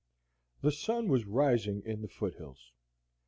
The sun was rising in the foot hills.